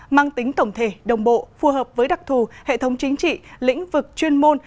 mang tính tổng thể đồng bộ phù hợp với đặc thù hệ thống chính trị lĩnh vực chuyên môn